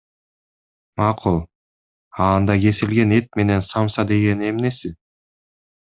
Макул, а анда кесилген эт менен самса дегени эмнеси?